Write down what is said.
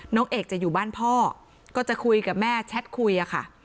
น้องเอกจะอยู่บ้านพ่อก็จะคุยกับแม่แชทคุยอะค่ะ